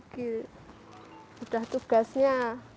jadi sudah tugasnya